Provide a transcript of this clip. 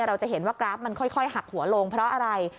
เราจะเห็นว่ากราฟมันค่อยหักหัวลงเพราะอะไร